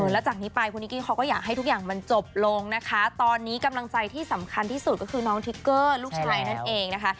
แล้วจากนี้ไปคุณนิกกี้เขาก็อยากให้ทุกอย่างมันจบลงนะคะตอนนี้กำลังใจที่สำคัญที่สุดก็คือน้องทิกเกอร์ลูกชายนั่นเองนะคะ